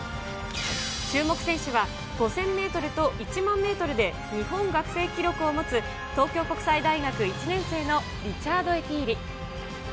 注目選手は、５０００メートルと１００００メートルで日本学生記録を持つ、東京国際大学１年生のリチャードエティーリ。